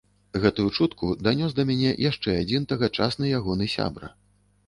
Гэту чутку данёс да мяне яшчэ адзін тагачасны ягоны сябра.